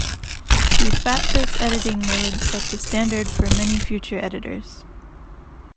The FatBits editing mode set the standard for many future editors.